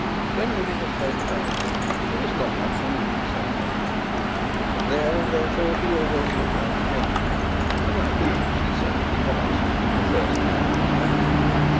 When living at home at Ullathorne there was not much room for such pride, and there therefore he always looked like a gentleman, and like that which he certainly was, the first man in his parish.